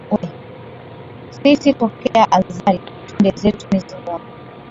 Sisi tokea azali, twenda zetu mizimuni,